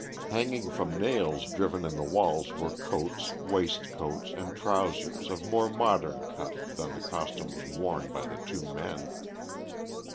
Hanging from nails driven in the walls were coats, waist coats, and trousers of more modern cut than the costumes worn by the two men.